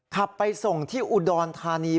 ขับไปส่งที่อุดรธานี